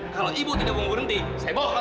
kalau ibu tidak mau berhenti saya buang pesampak